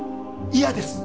嫌です。